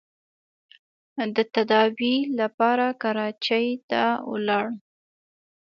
د تداوۍ لپاره کراچۍ ته ولاړ.